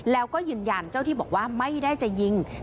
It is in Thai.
แล้วก็ยืนยันเจ้าที่บอกว่าไม่ได้จะยิง